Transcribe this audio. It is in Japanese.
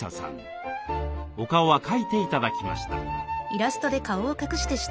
お顔は描いて頂きました。